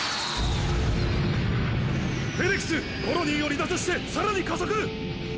フェネクスコロニーを離脱して更に加速！